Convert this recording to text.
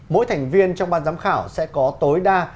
mỗi thành viên trong ban giám khảo sẽ có tối đa